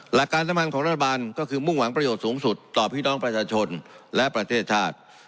หลักการสำคัญของรัฐบาลก็คือมุ่งหวังประโยชน์สูงสุดต่อพี่น้องประชาชนและประเทศชาติ